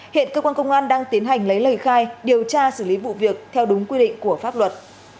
hiện cơ quan công an đang tiến hành lấy lời khai điều tra xử lý vụ việc theo đúng quy định của pháp luật